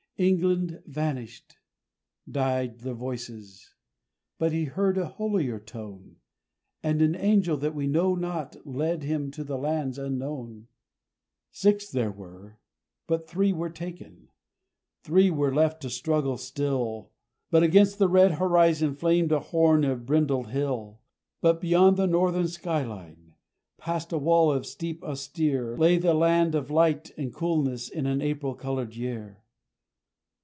England vanished; died the voices; but he heard a holier tone, And an angel that we know not led him to the lands unknown! ..... Six there were, but three were taken! Three were left to struggle still; But against the red horizon flamed a horn of brindled hill! But beyond the northern skyline, past a wall of steep austere, Lay the land of light and coolness in an April coloured year!